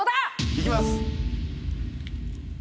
いきます！